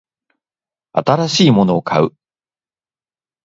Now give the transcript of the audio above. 新しいものを買う